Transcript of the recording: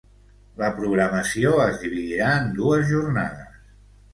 La programació es dividirà en dues jornades.